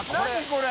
これ。